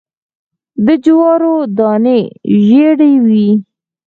د جوارو دانی ژیړې وي